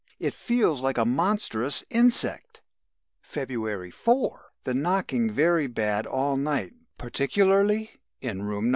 It feels like a monstrous insect!! "February 4. The knocking very bad all night particularly in room No.